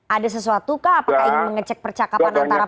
ada sesuatu kah apakah ingin mengecek percakapan antara